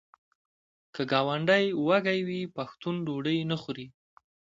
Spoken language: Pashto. که ګاونډی وږی وي پښتون ډوډۍ نه خوري.